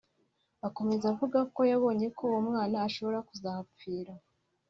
Akomeza avuga ko yabonye ko uwo mwana ashobora kuzahapfira